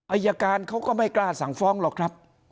อายการเขาก็ไม่กล้าสั่งฟ้องหรอกครับ